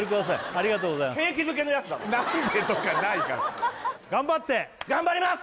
ありがとうございます景気づけのやつだから「何で」とかないから頑張って頑張ります！